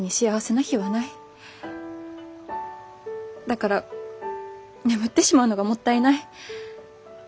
だから眠ってしまうのがもったいない。